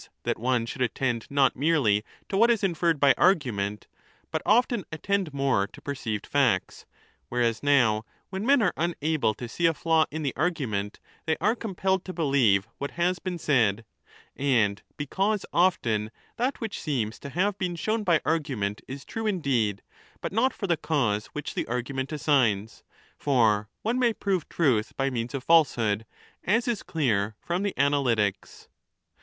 that one should attend not merely to what is inferred by argument, but often attend more to perceived facts — whereas now when men are unable to see a flaw in the argument they are compelled to believe what has been said — and because often 15 that which seems to have been shown by argument is true indeed, but not for the cause which the argument assigns ; for one may prove truth by means of falsehood, as is clear from the Analytics.